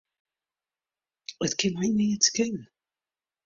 It kin my neat skele.